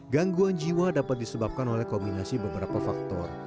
gangguan jiwa dapat disebabkan oleh kombinasi beberapa faktor